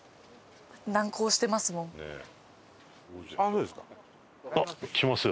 そうですか。